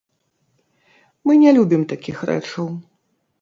Мы не любім такіх рэчаў.